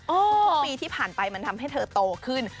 ทุกปีที่ผ่านไปมันทำให้เธอโตขึ้น